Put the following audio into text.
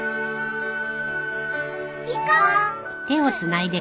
行こう。